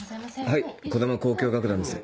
はい児玉交響楽団です。